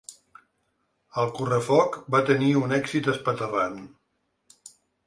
El correfoc va tenir un èxit espaterrant.